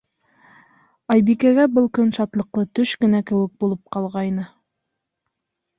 Айбикәгә был көн шатлыҡлы төш кенә кеүек булып ҡалғайны.